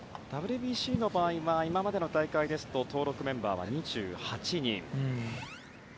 ＷＢＣの場合は今までの大会ですと登録メンバーは２８人。